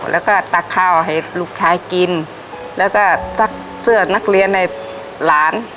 แล้วก็ตักข้าวให้ลูกชายกินแล้วก็ซักเสื้อนักเรียนให้หลาน